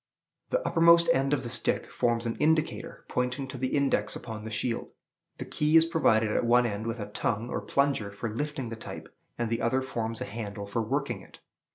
The uppermost end of the stick forms an indicator, pointing to the index upon the shield. The key is provided at one end with a tongue, or plunger, for lifting the type, and the other forms a handle for working it.